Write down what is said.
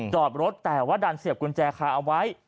จอดรถแต่ว่าดันเสียบกุญแจคาเอาไว้